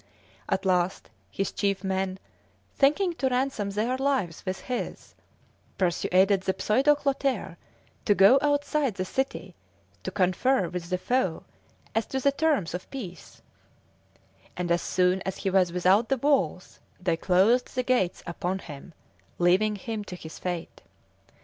At last, his chief men, thinking to ransom their lives with his, persuaded the pseudo Clotaire to go outside the city to confer with the foe as to the terms of peace, and as soon as he was without the walls they closed the gates upon him, leaving him to his fate.